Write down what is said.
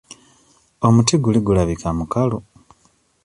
Omuti guli gulabika mukalu.